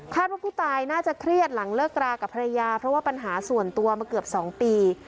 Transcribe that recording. ว่าผู้ตายน่าจะเครียดหลังเลิกรากับภรรยาเพราะว่าปัญหาส่วนตัวมาเกือบ๒ปี